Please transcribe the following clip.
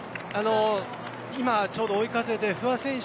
今ちょうど追い風で不破選手